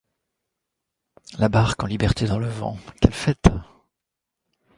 La barque en liberté dans le vent, quelle fête!